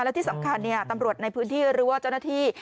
และที่สำคัญตำรวจในพื้นที่หรือว่าเจ้าหน้าที่